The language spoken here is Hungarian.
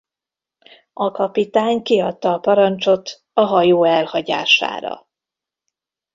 A kapitány kiadta a parancsot a hajó elhagyására.